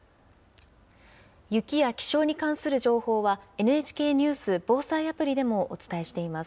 雪や気象に関する情報は、ＮＨＫニュース・防災アプリでもお伝えしています。